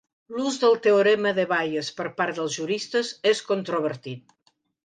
L"ús del teorema de Bayes per part dels juristes és controvertit.